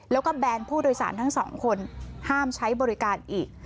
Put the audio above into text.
แล้วก็แบนผู้โดยสารทั้งสองคนห้ามใช้บริการอีก